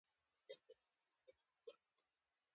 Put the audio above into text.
د محترم استاد د لا بریاوو په هیله